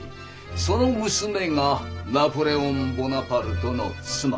その娘がナポレオン・ボナパルトの妻。